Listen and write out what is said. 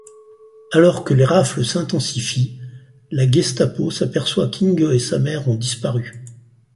Alors que les rafles s'intensifient, la Gestapo s'aperçoit qu'Inge et sa mère ont disparu.